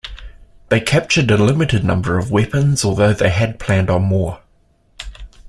They captured a limited number of weapons, although they had planned on more.